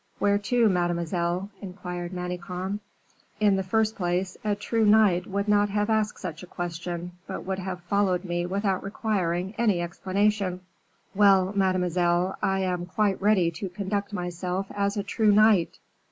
"Where to, mademoiselle?" inquired Manicamp. "In the first place, a true knight would not have asked such a question, but would have followed me without requiring any explanation." "Well, mademoiselle, I am quite ready to conduct myself as a true knight."